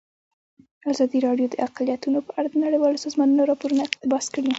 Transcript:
ازادي راډیو د اقلیتونه په اړه د نړیوالو سازمانونو راپورونه اقتباس کړي.